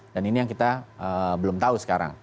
dan ini yang kita belum tahu sekarang